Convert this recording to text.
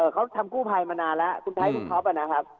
เขาทำกู้ภัยมานานแล้วคุณไทยคุณท็อปนะครับ